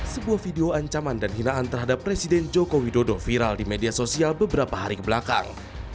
sebuah video ancaman dan hinaan terhadap presiden joko widodo viral di media sosial beberapa hari kebelakang